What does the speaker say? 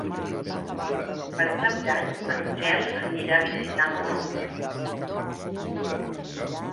Per Cap d'Any en Quel anirà a visitar mon oncle.